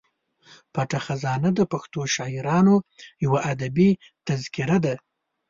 پټه خزانه د پښتنو شاعرانو یوه ادبي تذکره ده.